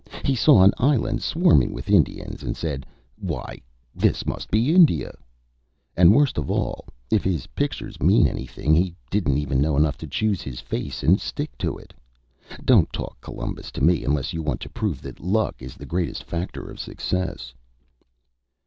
He saw an island swarming with Indians, and said, 'Why, this must be India!' And worst of all, if his pictures mean anything, he didn't even know enough to choose his face and stick to it. Don't talk Columbus to me unless you want to prove that luck is the greatest factor of success."